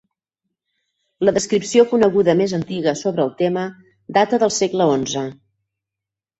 La descripció coneguda més antiga sobre el tema data del segle XI.